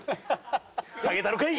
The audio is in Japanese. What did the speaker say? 下げたろかい！